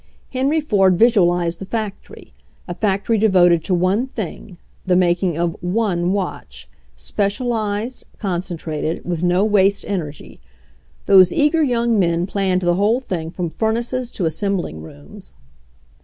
Henry Ford visualized the fac tory — a factory devoted to one thing, the making of one watch — specialized, concentrated, with no waste energy. Those eager young men planned the whole thing from furnaces to assembling rooms.